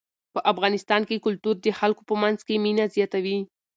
په افغانستان کې کلتور د خلکو په منځ کې مینه زیاتوي.